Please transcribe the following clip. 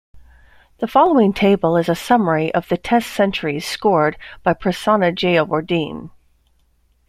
The following table is a summary of the Test centuries scored by Prasanna Jayawardene.